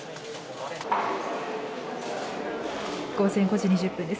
午前５時２０分です。